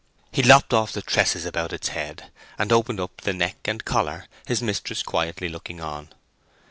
He lopped off the tresses about its head, and opened up the neck and collar, his mistress quietly looking on.